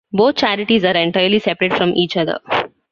Both charities are entirely separate from each other.